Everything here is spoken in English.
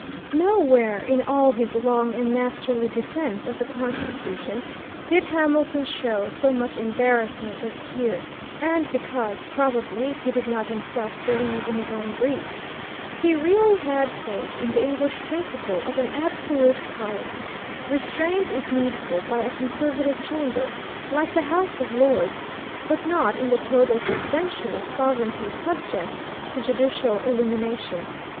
Nowhere in all his long and masterly defence of the Constitution did Hamilton show so much embarrassment as here, and because, probably, he did not himself believe in his own brief. He really had faith in the English principle of an absolute parliament, restrained, if needful, by a conservative chamber, like the House of Lords, but not in the total suspension of sovereignty subject to judicial illumination.